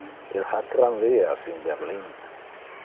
Il ha tramvias in Berlin.